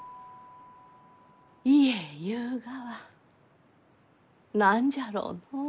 家ゆうがは何じゃろうのう？